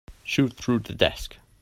Shoot through the desk.